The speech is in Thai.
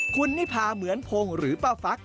คุณนิพาเหมือนพงศ์หรือป้าฟัก